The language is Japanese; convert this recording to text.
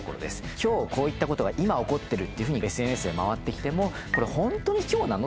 今日こういったことが今起こってるっていうふうにＳＮＳで回って来てもこれ本当に今日なの？